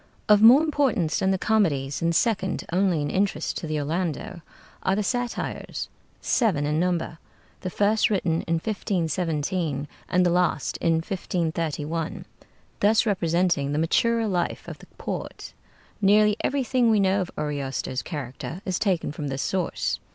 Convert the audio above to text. Of more importance than the comedies, and second only in interest to the 'Orlando' are the 'Satires' seven in number, the first written in 1517 and the last in 1531, thus representing the maturer life of the poet. Nearly everything we know of Ariosto's character is taken from this source.